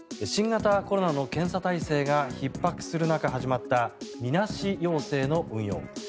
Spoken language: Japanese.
新型コロナの検査体制がひっ迫する中、始まったみなし陽性の運用。